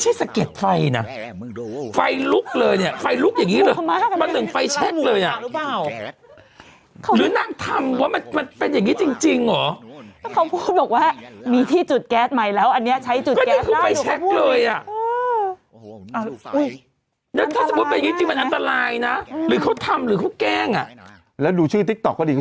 ไฟลุกเลยเนี้ยไฟลุกอย่างงี้หรอมันถึงไฟแช็คเลยอ่ะหรือนั่งทำว่ามันมันเป็นอย่างงี้จริงจริงหรอเขาพูดบอกว่ามีที่จุดแก๊สใหม่แล้วอันเนี้ยใช้จุดแก๊สเลยอ่ะอ้าวอุ้ยแล้วถ้าสมมุติเป็นอย่างงี้จริงมันอันตรายน่ะหรือเขาทำหรือเขาแกล้งอ่ะแล้วดูชื่อติ๊กต๊อกก็ดี